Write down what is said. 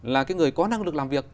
là cái người có năng lực làm việc